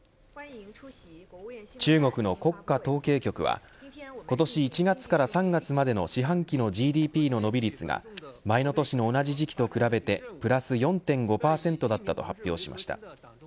中国の国家統計局は今年１月から３月までの四半期のＧＤＰの伸び率が前の年の同じ時期と比べてプラス４．５％だったと発表しました。